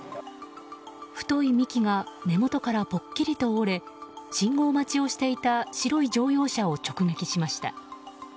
太い幹が根元からぽっきりと折れ信号待ちをしていた白い乗用車を直撃しました。